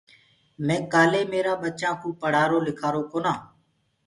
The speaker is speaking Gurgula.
مي ڪآلي ميرآ ٻچآ ڪو پڙهآرو لکارو ڪونآ